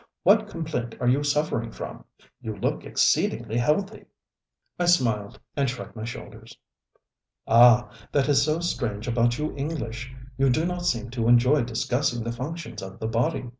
What complaint are you suffering from? You look exceedingly healthy! ŌĆØ I smiled and shrugged my shoulders. ŌĆ£Ah, that is so strange about you English. You do not seem to enjoy discussing the functions of the body.